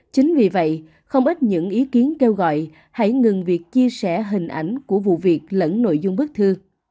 chính vì vậy không ít những ý kiến kêu gọi hãy ngừng việc chia sẻ hình ảnh của vụ việc lẫn nội dung bức thư